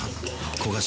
焦がし